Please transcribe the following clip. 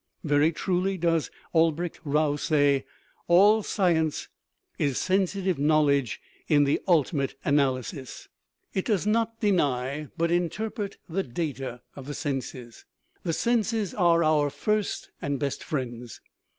Very truly does Albrecht Rau say: "All science is sensitive knowledge in the ultimate analysis; it does 297 THE RIDDLE OF THE UNIVERSE not deny, but interpret, the data of the senses. The senses are our first and best friends.